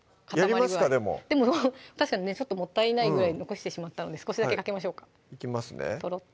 やりますかでも確かにねもったいないぐらい残してしまったので少しだけかけましょうかいきますね